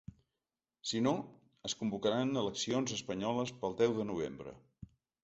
Si no, es convocaran eleccions espanyoles pel deu de novembre.